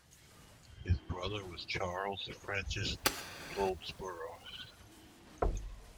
His brother was Charles Frances Goldsborough.